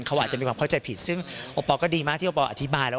เขาอาจจะมีความเข้าใจผิดซึ่งโอปอลก็ดีมากที่โอปอลอธิบายแล้ว